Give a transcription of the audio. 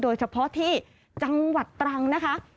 โดยเฉพาะที่จังหวัดตรังนะคะ